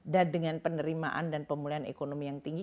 dengan penerimaan dan pemulihan ekonomi yang tinggi